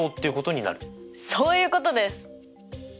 そういうことです。